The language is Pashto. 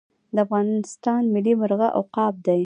د افغانستان ملي مرغه عقاب دی